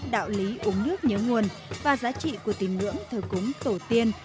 đạo lý uống nước nhớ nguồn và giá trị của tình ngưỡng thời cúng tổ tiên